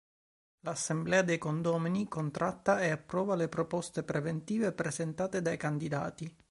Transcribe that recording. L'Assemblea dei condomini, contratta e approva le proposte preventive presentate dai candidati.